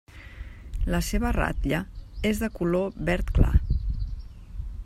La seva ratlla és de color verd clar.